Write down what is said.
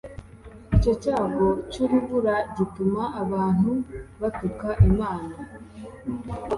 Icyo cyago cy’urubura gituma abantu batuka Imana,